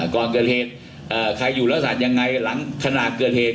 ก่อนเกิดเหตุใครอยู่ลักษณะยังไงหลังขณะเกิดเหตุ